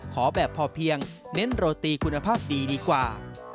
ขอแบบพอเพียงเน้นโรตีคุณภาพดีดีกว่า